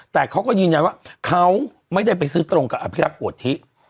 แต่เขาก็ยืนยันว่าเขาไม่ได้ไปซื้อตรงกับอภิรักษ์โกธิ